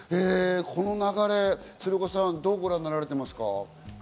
この流れ、鶴岡さん、どうご覧になられていますか？